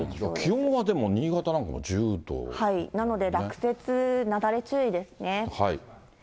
気温はでも、なので、落雪、雪崩注意ですね。